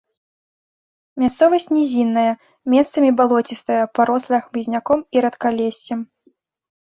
Мясцовасць нізінная, месцамі балоцістая, парослая хмызняком і рэдкалессем.